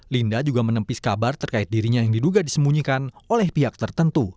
linda juga menempis kabar terkait dirinya yang diduga disembunyikan oleh pihak tertentu